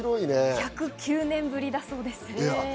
１０９年ぶりだそうです。